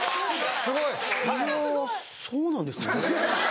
いやそうなんですね。